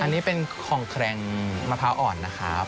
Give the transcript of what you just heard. อันนี้เป็นของแครงมะพร้าวอ่อนนะครับ